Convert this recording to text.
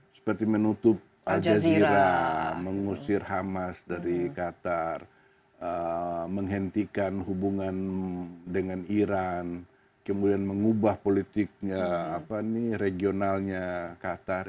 seperti menutup al jazeera mengusir hamas dari qatar menghentikan hubungan dengan iran kemudian mengubah politiknya regionalnya qatar